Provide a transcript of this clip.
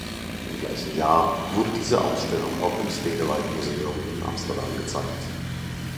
Im gleichen Jahr wurde diese Ausstellung auch im Stedelijk Museum in Amsterdam gezeigt.